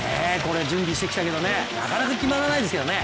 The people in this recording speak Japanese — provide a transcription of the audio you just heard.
準備してきたけどね、なかなか決まらないですけどね。